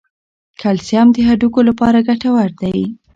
کلسیم د هډوکو لپاره ګټور دی.